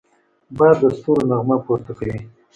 باد د ستورو نغمه پورته کوي